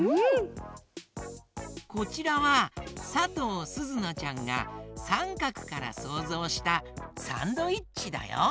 こちらはさとうすずなちゃんが「さんかく」からそうぞうしたサンドイッチだよ！